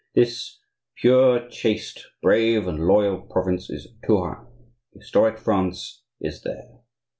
This pure, chaste, brave, and loyal province is Touraine. Historic France is there!